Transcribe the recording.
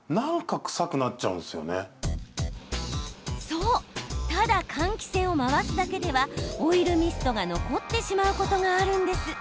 そうただ換気扇を回すだけではオイルミストが残ってしまうことがあるんです。